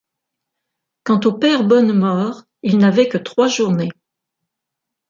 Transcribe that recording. Quant au père Bonnemort, il n’avait que trois journées.